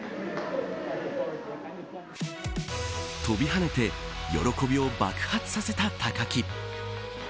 飛び跳ねて喜びを爆発させた高木。